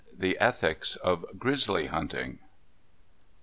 THE ETHICS OF GRIZZLY HUNTmG.